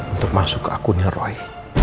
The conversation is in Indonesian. untuk masuk ke akunnya roy